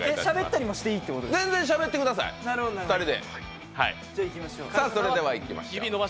全然しゃべってください、２人で。